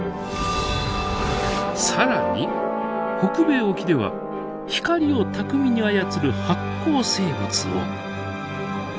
更に北米沖では光を巧みに操る発光生物を。